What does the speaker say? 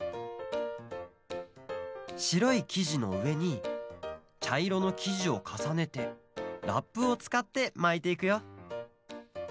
しろいきじのうえにちゃいろのきじをかさねてラップをつかってまいていくよ。